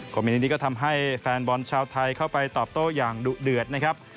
มินนี้ก็ทำให้แฟนบอลชาวไทยเข้าไปตอบโต้อย่างดุเดือดนะครับ